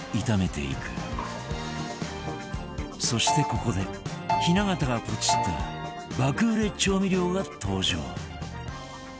そしてここで雛形がポチった爆売れ調味料が登場